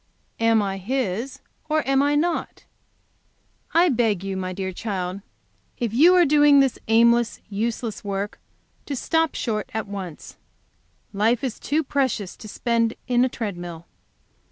Am I His or am I not?' "I beg you, my dear child, if you are doing this aimless, useless work, to stop short at once. Life is too precious to spend in a tread mill..